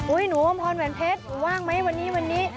อุ๊ยหนูอมพรแหวนเพชรว่างไหมวันนี้